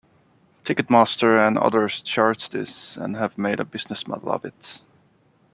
Ticketmaster and others charge this, and have made a business model of it.